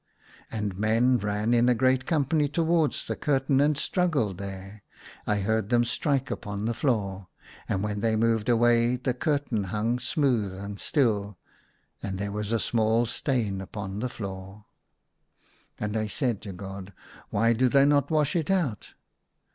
And men ran in a great company towards the curtain, and strugi^led there. I heard them strike upon the floor. And when they moved away the curtain hung 146 THE SUNLIGHT LA V smooth and still ; and there was a small stain upon the floor. I said to God, " Why do they not wash it out